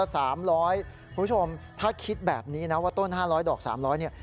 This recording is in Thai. คุณผู้ชมถ้าคิดแบบนี้นะว่าต้น๕๐๐ดอก๓๐๐เนี่ย